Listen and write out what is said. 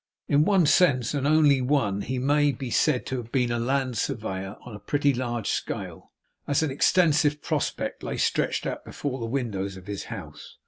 In one sense, and only one, he may be said to have been a Land Surveyor on a pretty large scale, as an extensive prospect lay stretched out before the windows of his house.